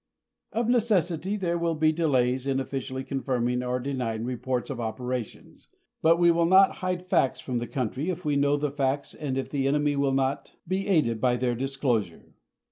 Of necessity there will be delays in officially confirming or denying reports of operations, but we will not hide facts from the country if we know the facts and if the enemy will not be aided by their disclosure.